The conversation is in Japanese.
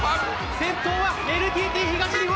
先頭はＮＴＴ東日本！